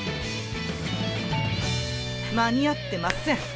間に合ってません。